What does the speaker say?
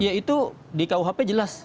ya itu di kuhp jelas